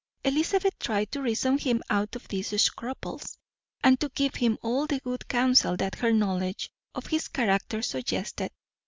Elizabeth tried to reason him out of these scruples, and to give him all the good counsel that her knowledge of his character suggested.